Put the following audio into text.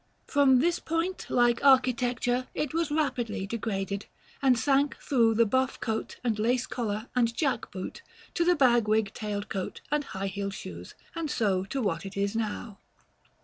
From this point, like architecture, it was rapidly degraded; and sank through the buff coat, and lace collar, and jack boot, to the bag wig, tailed coat, and high heeled shoes; and so to what it is now.